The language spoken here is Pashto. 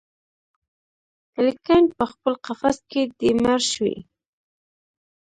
الیکین پخپل قفس کي دی مړ شوی